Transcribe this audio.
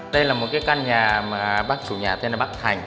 đây là một căn nhà mà bác chủ nhà tên là bác thành